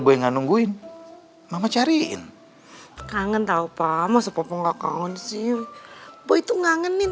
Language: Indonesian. boleh enggak nungguin mama cariin kangen tahu pak mas apa nggak kangen sih boy tuh ngangenin